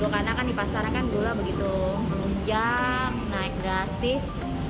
karena di pasaran gula begitu menunjang naik drastis